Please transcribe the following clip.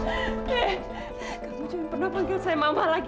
oke kamu jangan pernah panggil saya mama lagi